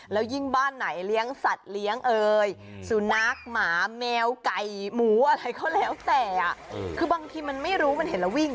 แล้วยิ่งบ้านไหนเลี้ยงสัตว์เลี้ยงเอ่ยสุนัขหมาแมวไก่หมูอะไรก็แล้วแต่คือบางทีมันไม่รู้มันเห็นแล้ววิ่ง